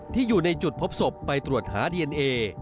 อยู่ในจุดพบศพไปตรวจหาดีเอนเอ